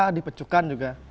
kita dipecukan juga